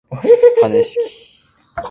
はなやしき